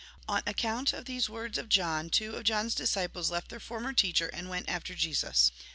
On account of these words of John, two of John's disciples left their former teacher and went after Jesus.